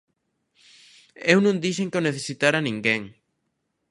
Eu non dixen que o necesitara ninguén.